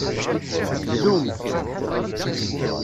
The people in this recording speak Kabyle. Dlumt.